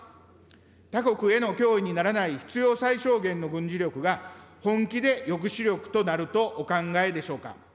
他国への脅威にならない必要最小限の軍事力が本気で抑止力となるとお考えでしょうか。